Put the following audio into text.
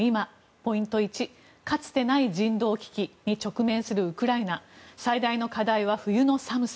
ポイント１かつてない人道危機に直面するウクライナ支援最大の課題は冬の寒さ。